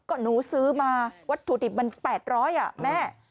ก็หนูซื้อมาวัตถุดิบมัน๘๐๐อ่ะแม่